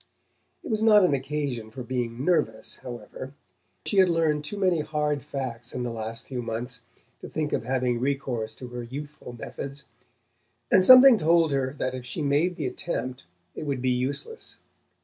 It was not an occasion for being "nervous," however; she had learned too many hard facts in the last few months to think of having recourse to her youthful methods. And something told her that if she made the attempt it would be useless.